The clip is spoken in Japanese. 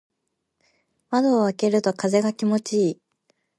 窓を開けると風が気持ちいい。